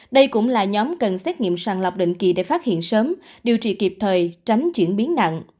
đây cũng là nhóm cần xét nghiệm sàng lọc định kỳ để phát hiện sớm điều trị kịp thời tránh chuyển biến nặng